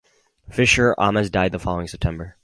Fisher Ames died the following September.